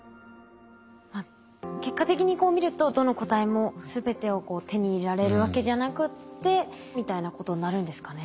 結果的にこう見るとどの個体も全てをこう手に入れられるわけじゃなくってみたいなことになるんですかね。